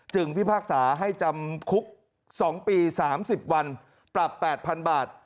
พิพากษาให้จำคุก๒ปี๓๐วันปรับ๘๐๐๐บาท